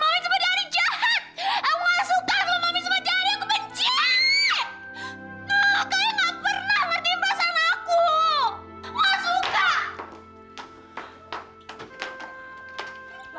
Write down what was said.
mami sempat jadi jahat